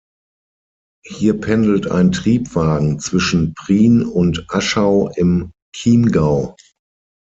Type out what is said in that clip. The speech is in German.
Hier pendelt ein Triebwagen zwischen Prien und Aschau im Chiemgau.